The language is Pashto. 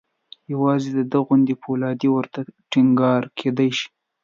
یوازې د ده غوندې فولادي ورته ټینګېدای شي.